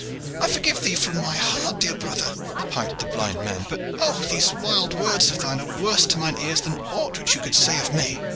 "I forgive thee from my heart, dear brother," piped the blind man. "But, oh, these wild words of thine are worse to mine ears than aught which you could say of me."